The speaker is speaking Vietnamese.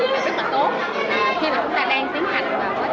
và cái tài năng công nghệ của các em thú nhiên của chúng ta cũng rất là tốt